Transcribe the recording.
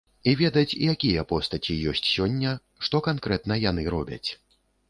І ведаць, якія постаці ёсць сёння, што канкрэтна яны робяць.